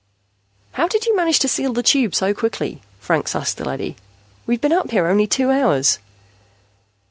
"How did you manage to seal the Tube so quickly?" Franks asked the leady. "We've been up here only two hours."